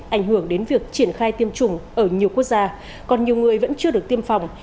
ảnh hưởng đến việc triển khai tiêm chủng ở nhiều quốc gia còn nhiều người vẫn chưa được tiêm phòng